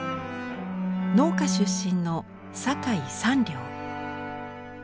農家出身の酒井三良。